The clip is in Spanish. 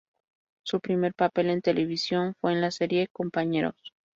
Su primer papel en televisión fue en la serie "Compañeros".